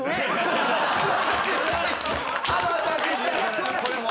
素晴らしい！